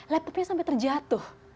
laptopnya sampai terjatuh